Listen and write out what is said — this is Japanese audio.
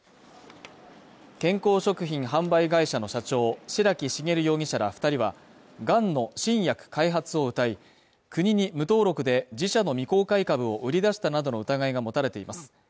健康食品販売会社の社長、白木茂容疑者ら２人はがんの新薬開発をうたい、国に無登録で、自社の未公開株を売り出したなどの疑いが持たれています。